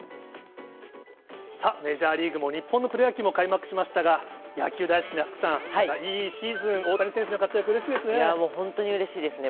さあ、メジャーリーグも日本のプロ野球も開幕しましたが、野球大好きな福さん、いいシーズン、大谷選手の活躍、うれしいでもう本当にうれしいですね。